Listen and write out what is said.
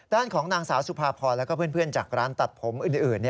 ด้านของนางสาวสุภาพรแล้วก็เพื่อนจากร้านตัดผมอื่น